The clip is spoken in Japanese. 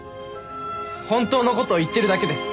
本当の事を言ってるだけです。